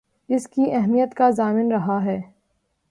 اس کی اہمیت کا ضامن رہا ہے